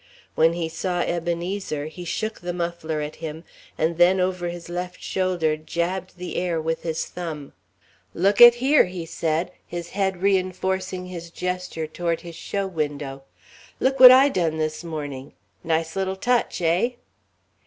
When he saw Ebenezer, he shook the muffler at him, and then, over his left shoulder, jabbed the air with his thumb. "Look at here," he said, his head reënforcing his gesture toward his show window, "look what I done this morning. Nice little touch eh?"